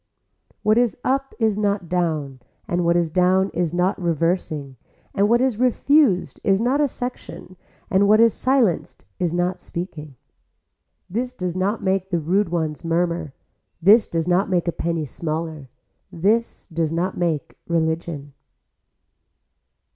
What is up is not down and what is down is not reversing and what is refused is not a section and what is silenced is not speaking. This does not make the rude ones murmur, this does not make a penny smaller, this does not make religion.